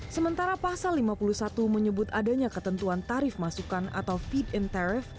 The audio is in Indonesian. sementara pasal lima puluh satu menyebut adanya ketentuan tarif masukan atau feed in tarif